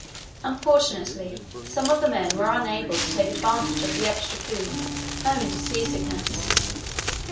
Unfortunately, some of the men were unable to take advantage of the extra food owing to seasickness.